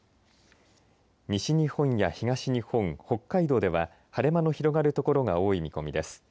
西日本や東日本北海道では、晴れ間の広がる所が多い見込みです。